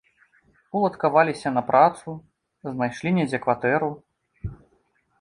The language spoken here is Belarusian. Уладкаваліся на працу, знайшлі недзе кватэру.